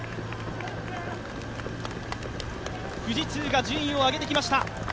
富士通が順位を上げてきました。